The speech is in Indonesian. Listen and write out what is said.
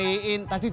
aku mau ke kantor